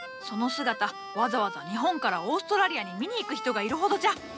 その姿わざわざ日本からオーストラリアに見に行く人がいるほどじゃ。